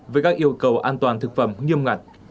với các yêu cầu an toàn thực phẩm nghiêm ngặt